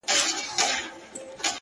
o څه رنګه سپوږمۍ ده له څراغه يې رڼا وړې؛